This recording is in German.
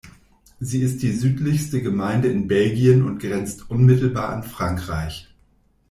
Sie ist die südlichste Gemeinde in Belgien und grenzt unmittelbar an Frankreich.